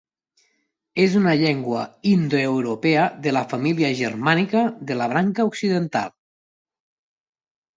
És una llengua indoeuropea de la família germànica, de la branca occidental.